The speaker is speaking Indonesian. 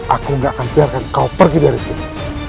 aku nggak akan biarkan kau pergi dari sini